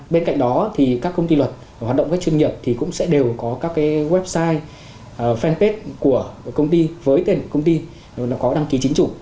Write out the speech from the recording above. bên cạnh đó thì các công ty luật hoạt động các chuyên nghiệp thì cũng sẽ đều có các website fanpage của công ty với tên của công ty có đăng ký chính chủ